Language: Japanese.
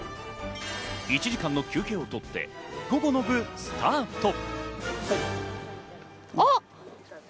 １時間の休憩を取って午後の部スタート。